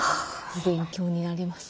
勉強になります。